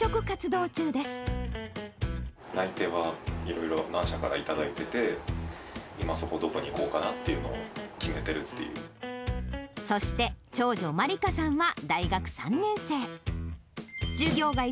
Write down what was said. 内定はいろいろ何社からも頂いてて、今、そこ、どこに行こうかなっていうのを決めているってそして長女、茉莉花さんは大学３年生。